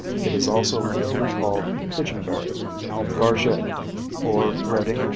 It is also locally called Pigeon Berry, Garget, or Red ink Plant.